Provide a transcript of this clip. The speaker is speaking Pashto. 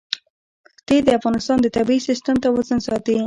ښتې د افغانستان د طبعي سیسټم توازن ساتي.